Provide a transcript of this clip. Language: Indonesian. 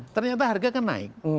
ternyata harga kan naik